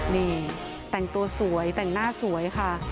นี่แต่งตัวสวยแต่งหน้าสวยค่ะ